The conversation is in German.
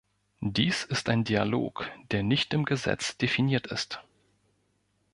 Dies ist ein Dialog, der nicht im Gesetz definiert ist.